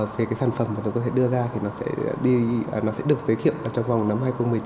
về cái sản phẩm mà tôi có thể đưa ra thì nó sẽ được giới thiệu trong vòng năm hai nghìn một mươi chín